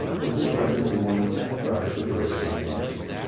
(With this record he won the tenth prize for duration of flight.)